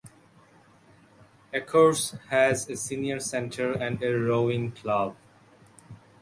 Ecorse has a Senior Center and a rowing club.